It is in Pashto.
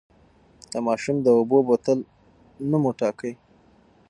د ماشوم د اوبو بوتل نوم وټاکئ.